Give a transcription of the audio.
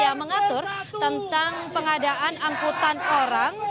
yang mengatur tentang pengadaan angkutan orang